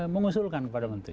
mengusulkan kepada menteri